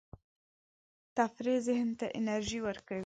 تفریح ذهن ته انرژي ورکوي.